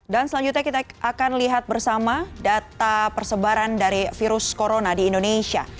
dan selanjutnya kita akan lihat bersama data persebaran dari virus corona di indonesia